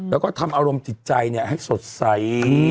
แล้วก็ทำอารมณ์จิตใจให้สดใส